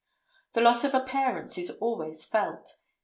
The loss of a parent is always felt.